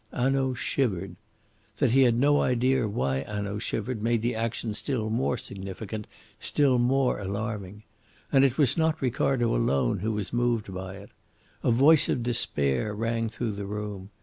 Hanaud shivered. That he had no idea why Hanaud shivered made the action still more significant, still more alarming. And it was not Ricardo alone who was moved by it. A voice of despair rang through the room.